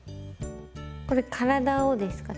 これ体をですか。